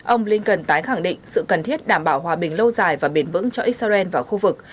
ông blinken tái khẳng định sự cần thiết đảm bảo hòa bình lâu dài và bền vững cho israel và khu vực